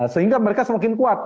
sehingga mereka semakin kuat